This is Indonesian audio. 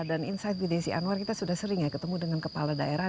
dan insight bdc anwar kita sudah sering ketemu dengan kepala daerah